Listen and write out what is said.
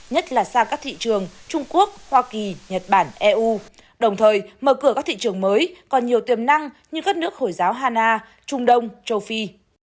nhất là sang các thị trường trung quốc hoa kỳ nhật bản eu đồng thời mở cửa các thị trường mới còn nhiều tiềm năng như các nước hồi giáo hà na trung đông châu phi